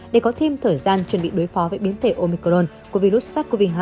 để có thêm thời gian chuẩn bị đối phó với biến thể omicron của virus sars cov hai